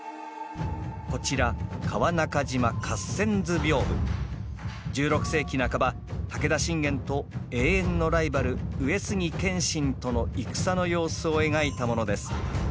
こちら１６世紀半ば武田信玄と永遠のライバル上杉謙信との戦の様子を描いたものです。